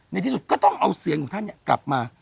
ในที่สุดก็ต้องเอาเสียงของท่านกลับมา